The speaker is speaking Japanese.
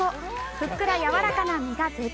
ふっくらやわらかな身が絶品！